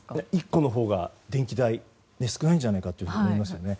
１個のほうが電気代安くなるんじゃないかと思いますよね。